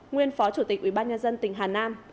nguyên phó chủ tịch ủy ban nhân dân tỉnh hà nam